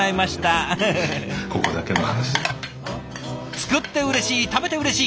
作ってうれしい食べてうれしい！